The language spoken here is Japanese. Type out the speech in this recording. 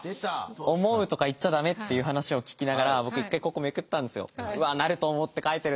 「思う」とか言っちゃ駄目っていう話を聞きながら僕１回ここめくったんですよ。